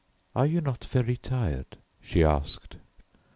"Are you not very tired?" she asked.